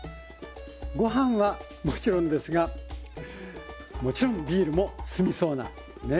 ごはんはもちろんですがもちろんビールも進みそうなね